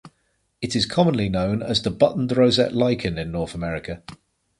It is commonly known as the buttoned rosette lichen in North America.